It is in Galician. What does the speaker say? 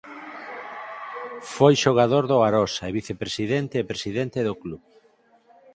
Foi xogador do Arosa e vicepresidente e presidente do club.